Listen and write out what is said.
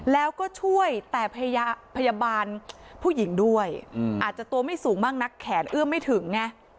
แล้วก็ช่วยแต่พยาบาลผู้หญิงด้วยอาจจะตัวไม่สูงมากนักแขนเอื้อมไม่ถึงไง